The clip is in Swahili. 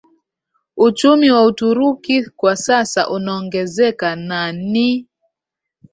Uchumi wa Uturuki kwa sasa unaongezeka na ni